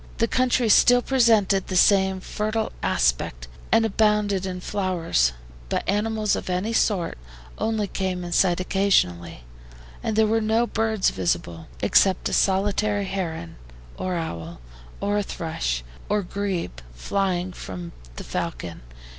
The country still presented the same fertile aspect, and abounded in flowers, but animals of any sort only came in sight occasionally, and there were no birds visible, except a solitary heron or owl, and a thrush or grebe, flying from the falcon.